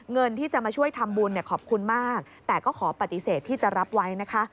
เงินที่จะมาช่วยทำบุญขอบคุณมากแต่ก็ขอปฏิเสธที่จะรับไว้นะคะ